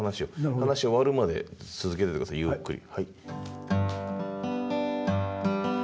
話終わるまで続けてて下さいゆっくり。